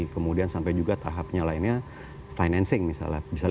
kemudian sampai juga tahapnya lainnya financing misalnya